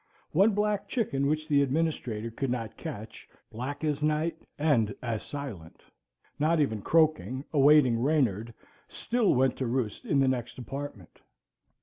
One black chicken which the administrator could not catch, black as night and as silent, not even croaking, awaiting Reynard, still went to roost in the next apartment.